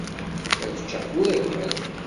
Ad ččeɣ tura kan.